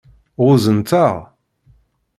Ɣunzant-aɣ?